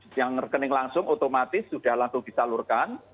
yang rekening langsung otomatis sudah langsung disalurkan